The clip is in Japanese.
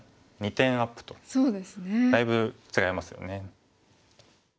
２点アップとだいぶ違いますよね。